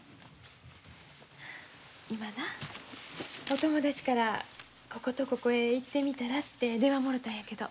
今なお友達からこことここへ行ってみたらて電話もろたんやけど。